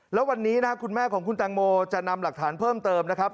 แล้ววันนี้นะครับคุณแม่ของคุณแตงโมจะนำหลักฐานเพิ่มเติมนะครับ